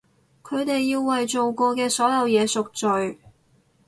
佢哋要為做過嘅所有嘢贖罪！